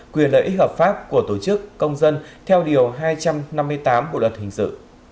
quyền lợi ích hợp pháp của tổ chức công dân theo điều hai trăm năm mươi tám bộ luật hình sự